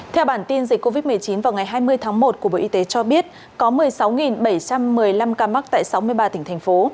theo bản tin dịch covid một mươi chín vào ngày hai mươi tháng một của bộ y tế cho biết có một mươi sáu bảy trăm một mươi năm ca mắc tại sáu mươi ba tỉnh thành phố